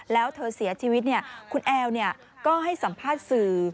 แล้วเธอเสียชีวิตเนี่ยคุณแอวเนี่ยก็ให้สัมภาษณ์สื่อ